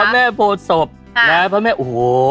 กับพระแม่โพสบนะพระแม่โห